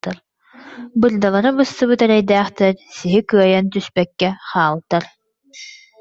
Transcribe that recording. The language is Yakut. Бырдалара быстыбыт эрэйдээхтэр сиһи кыайан түспэккэ хаалтар